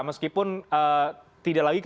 meskipun tidak lagi